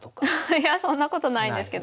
いやそんなことないですけど。